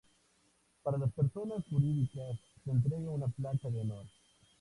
Para las personas jurídicas se entrega una Placa de Honor.